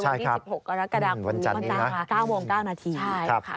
วันที่๑๖กรกฎาคุณพันธาค่ะต้าวองต้าวนาทีใช่ค่ะ